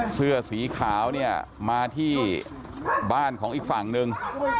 เสื้อสีขาวเนี่ยมาที่บ้านของอีกฝั่งหนึ่ง